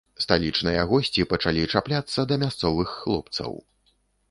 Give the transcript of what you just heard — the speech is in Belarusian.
Сталічныя госці пачалі чапляцца да мясцовых хлопцаў.